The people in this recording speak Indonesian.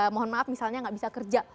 mohon maaf misalnya nggak bisa kerja